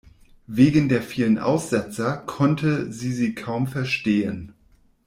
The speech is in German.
Wegen der vielen Aussetzer konnte sie sie kaum verstehen.